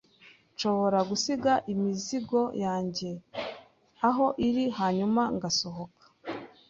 Nshobora gusiga imizigo yanjye aho iri hanyuma ngasohoka?